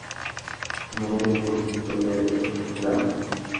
মেরে চুপ করিয়ে দিলাম।